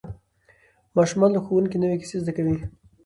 ماشومان له ښوونکي نوې کیسې زده کوي